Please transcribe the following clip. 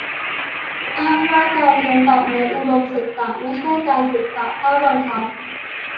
อ้างว่า การเรียนต่อในอุดมศึกษาไม่ใช่การศึกษาภาคบังคับ